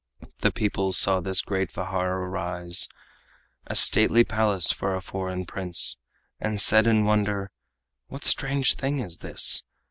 The people saw this great vihara rise, A stately palace for a foreign prince, And said in wonder: "What strange thing is this?